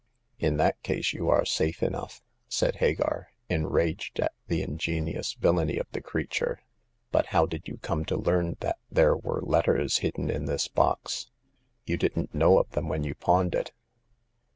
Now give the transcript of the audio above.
In that case you are safe enough," said Ha gar, enraged at the ingenious villainy of the crea ture. " But how did you come to learn that there were letters hidden in this box? You didn't know of them when you pawned it."